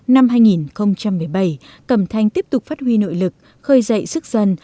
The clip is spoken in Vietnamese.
năm hai nghìn một mươi bảy cẩm thanh tiếp tục phát huy nội lực khơi dậy sức dân